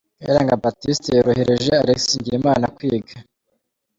Kayiranga Baptiste yorohereje Alexis Ngirimana kwiga.